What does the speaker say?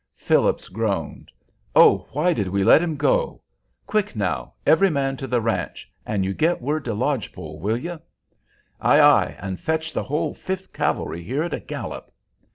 Phillips groaned. "Oh, why did we let him go? Quick, now! Every man to the ranch, and you get word to Lodge Pole, will you?" "Ay, ay, and fetch the whole Fifth Cavalry here at a gallop!"